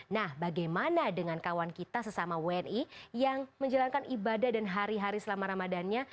nah bagaimana dengan kawan kita sesama wni yang menjalankan ibadah dan hari hari selama ramadannya